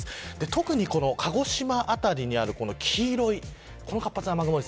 特に鹿児島辺りにある黄色い活発な雨雲。